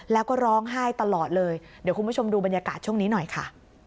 แล้วก็ร้องไห้ตลอดเลยเดี๋ยวคุณผู้ชมดูบรรยากาศช่วงนี้หน่อยค่ะ